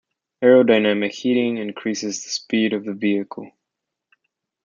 Aerodynamic heating increases with the speed of the vehicle.